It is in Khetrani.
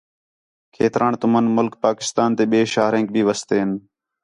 کھیتران تُمن ملک پاکستان تے ٻئے شہرینک بھی وستین